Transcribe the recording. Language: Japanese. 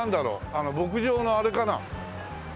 あの牧場のあれかな？